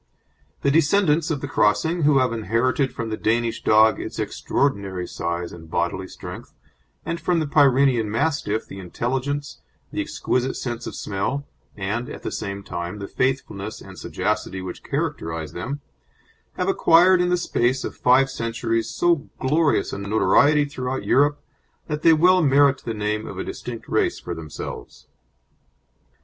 The descendants of the crossing, who have inherited from the Danish dog its extraordinary size and bodily strength, and from the Pyrenean Mastiff the intelligence, the exquisite sense of smell, and, at the same time, the faithfulness and sagacity which characterise them, have acquired in the space of five centuries so glorious a notoriety throughout Europe that they well merit the name of a distinct race for themselves."